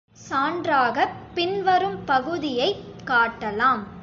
சான்றாகப் பின்வரும் பகுதியைப் காட்டலாம்.